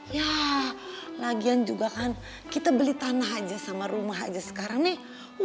ya lagian juga kan kita beli tanah aja sama rumah aja sekarang nih